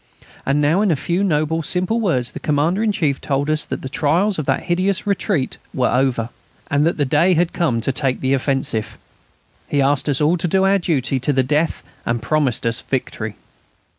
And now in a few noble, simple words the Commander in Chief told us that the trials of that hideous retreat were over, and that the day had come to take the offensive. He asked us all to do our duty to the death and promised us victory.